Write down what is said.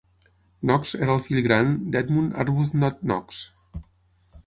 Knox era el fill gran d'Edmund Arbuthnott Knox.